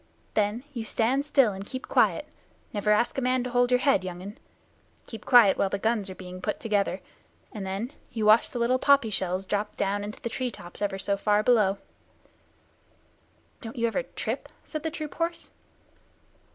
Then you stand still and keep quiet never ask a man to hold your head, young un keep quiet while the guns are being put together, and then you watch the little poppy shells drop down into the tree tops ever so far below." "Don't you ever trip?" said the troop horse.